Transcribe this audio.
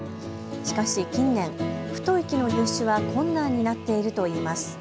しかし近年、太い木の入手は困難になっているといいます。